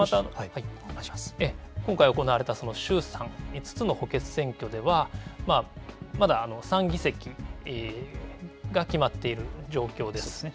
今回行われた衆参５つの補欠選挙では、まだ３議席が決まっている状況ですね。